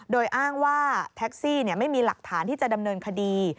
โดยอ้างว่าแท็กซี่ไม่มีหลักฐานที่จะดำเนินคดี